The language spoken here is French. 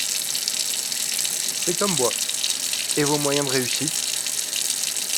C’est comme moi ; et vos moyens de réussite ?